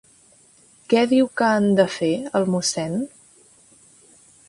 Què diu que han de fer, el Mossen?